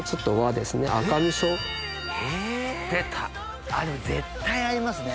でも絶対合いますね。